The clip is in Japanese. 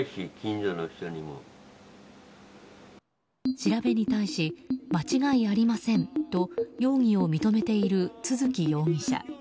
調べに対しに間違いありませんと容疑を認めている都築容疑者。